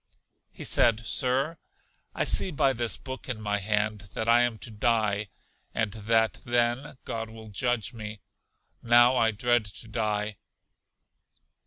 He said, Sir, I see by this book in my hand that I am to die, and that then God will judge me. Now I dread to die.